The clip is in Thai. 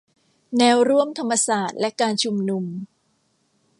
แนวร่วมธรรมศาสตร์และการชุมนุม